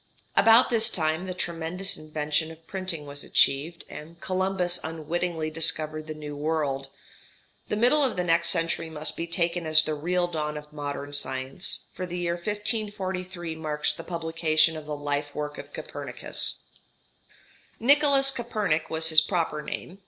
About this time the tremendous invention of printing was achieved, and Columbus unwittingly discovered the New World. The middle of the next century must be taken as the real dawn of modern science; for the year 1543 marks the publication of the life work of Copernicus. [Illustration: FIG. 2. Leonardo da Vinci.] Nicolas Copernik was his proper name.